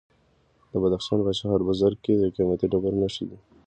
د بدخشان په شهر بزرګ کې د قیمتي ډبرو نښې دي.